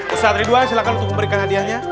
usaha dari dua silahkan untuk memberikan hadiahnya